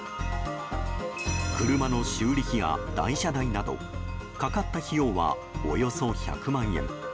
車の修理費や代車代などかかった費用はおよそ１００万円。